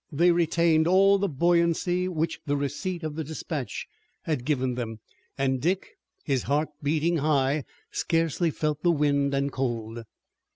They retained all the buoyancy which the receipt of the dispatch had given them, and Dick, his heart beating high, scarcely felt the wind and cold.